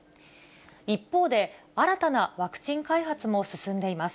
一方で、新たなワクチン開発も進んでいます。